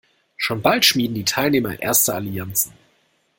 Schon bald schmieden die Teilnehmer erste Allianzen.